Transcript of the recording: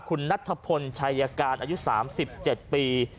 คุณนัทธพลชัยการอายุ๓๗ปี